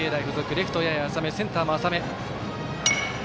レフトやや浅め、センターも浅め。